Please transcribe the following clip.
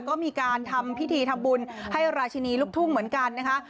ก็มีการทำพิธีทำบุญให้ราชินีลูกทุ่งเหมือนกันนะคะ